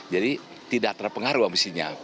jadi tidak terpengaruh ambisinya